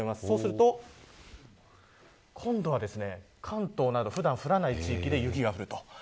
そうすると今度はですね関東など普段、降らない地域で雪が降る。